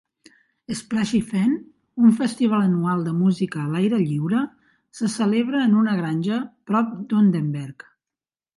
Splashy Fen, un festival anual de música a l'aire lliure, se celebra en una granja prop d'Underberg.